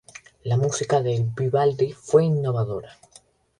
La música de Vivaldi fue innovadora.